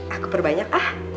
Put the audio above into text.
aku perbanyak ah